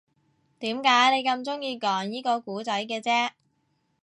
點解你咁鍾意講依個故仔嘅啫